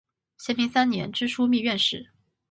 咸平三年知枢密院事。